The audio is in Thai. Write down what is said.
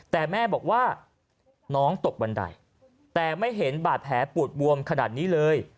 แต่แม่บอกว่าน้องตกบันไดแต่ไม่เห็นบาดแผลปูดบวมขนาดนี้เลย